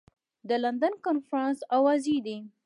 د لندن کنفرانس اوازې دي.